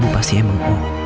ibu pasti emang ibu